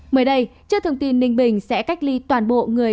mới đây trước thông tin ninh bình sẽ cách ly toàn bộ người